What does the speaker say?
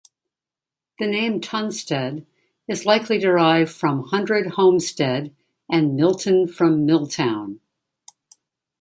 The name Tunstead is likely derived from hundred homestead and Milton from mill town.